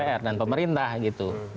dpr dan pemerintah gitu